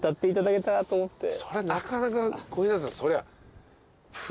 それなかなか小日向さん